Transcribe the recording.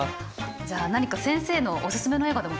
じゃあ何か先生のオススメの映画でも。